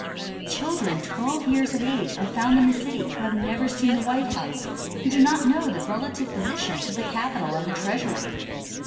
Children twelve years of age are found in the city who have never seen the White House, who do not know the relative posi tions of the Capitol and the Treasury.